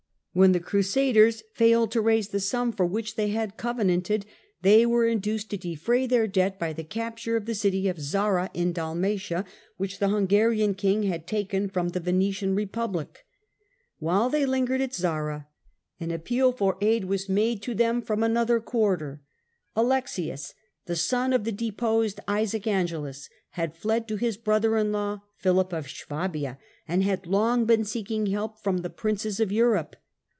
When the Crusaders failed to raise the sum for which they had covenanted, they were induced to defray their debt by the capture of the city of Zara in Dalmatia, which the Hungarian king had taken from the Venetian republic. While they lingered at Zara, an appeal for aid was made to 14 210 THE CENTRAL PERIOD OF THE MIDDLE AGE them from another quarter. Alexius, the son of the deposed Isaac Angelas, had fled to his brother in law, Philip of Swabia, and had long been seeking help from the princes of Europe.